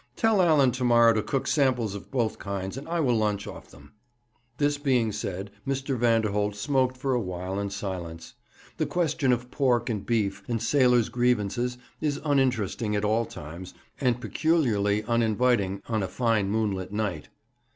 Tell Allan to morrow to cook samples of both kinds, and I will lunch off them.' This being said, Mr. Vanderholt smoked for awhile in silence. The question of pork and beef and sailors' grievances is uninteresting at all times, and peculiarly uninviting on a fine moonlight night.